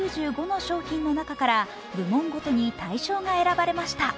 ２９５の商品の中から部門ごとに大賞が選ばれました。